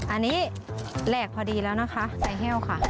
อันนี้แหลกพอดีแล้วนะคะใส่แห้วค่ะ